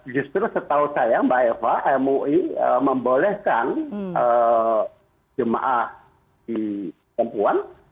justru setahu saya mbak eva mui membolehkan jemaah di perempuan